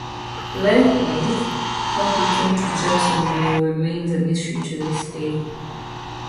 Likewise, how he came to Jacksonville remains a mystery to this day.